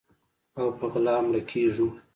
او په غلا مړه کیږو